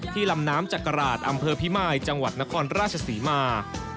ลำน้ำจักราชอำเภอพิมายจังหวัดนครราชศรีมา